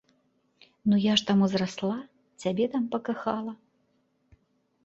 Ну, я ж там узрасла, цябе там пакахала.